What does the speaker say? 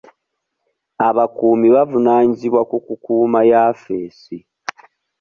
Abakuumi bavunaanyizibwa okukuuma yafesi.